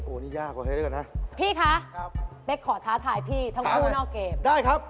โอ้วนี่ยากประเภทเลือกก่อนนะ